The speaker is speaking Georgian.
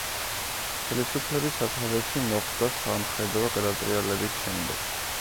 ხელისუფლების სათავეში მოხვდა სამხედრო გადატრიალების შემდეგ.